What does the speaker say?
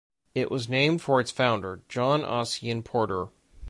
It was named for its founder, John Ossian Porter.